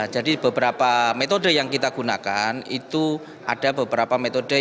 jadi beberapa metode yang kita gunakan itu ada beberapa metode yang